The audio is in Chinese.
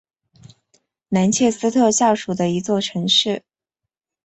兰切斯特下属的一座城市。